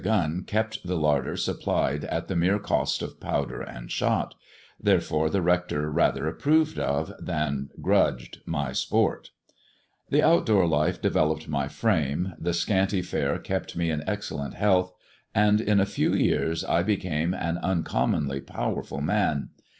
the gun kept the larder supplied at the mere cost of powder and shot ; therefore the Hector rather approved of, than 200 THE DEAD MAN'S DIAMONDS grudged my sport. The out door life developed my frame, the scanty fare kept me in excellent health, and in a few years I became an uncommonly powerful man.